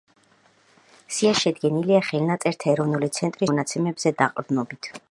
სია შედგენილია ხელნაწერთა ეროვნული ცენტრის ოფიციალური საიტის მონაცემებზე დაყრდნობით.